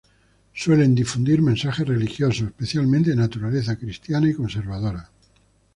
Suelen difundir mensajes religiosos, especialmente de naturaleza cristiana y conservadora.